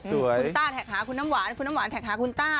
ส่วนคุณต้าแท็กหาคุณน้ำหวานคุณน้ำหวานแท็กหาคุณต้า